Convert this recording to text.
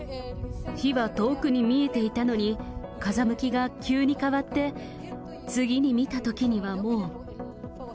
火は遠くに見えていたのに、風向きが急に変わって、次に見たときにはもう。